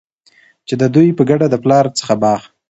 چي د دوي په ګډه د پلار څخه باغ